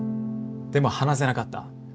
でも話せなかった。